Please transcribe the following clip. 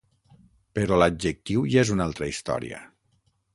Però l'adjectiu ja és una altra història.